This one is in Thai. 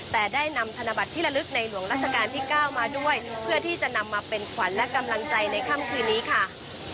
แต่ได้นำธนบัตรที่ระลึกในหลวงราชการที่๙มาด้วยเพื่อที่จะนำมาเป็นขวัญและกำลังใจในค่ำคืนนี้ค่ะ